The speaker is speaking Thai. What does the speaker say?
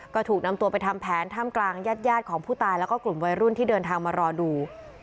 ก็ถูกนำตัวไปทำแผนท่ามกลางญาติของผู้ตายแล้วก็กลุ่มวัยรุ่นที่เดินทางมารอดู